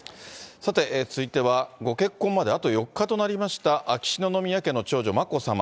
さて、続いてはご結婚まであと４日となりました、秋篠宮家の長女、眞子さま。